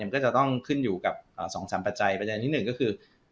มันก็จะต้องขึ้นอยู่กับ๒๓ปัจจัยปัจจัยนิดหนึ่งก็คือ